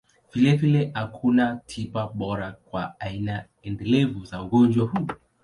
Vilevile, hakuna tiba bora kwa aina endelevu za ugonjwa huu.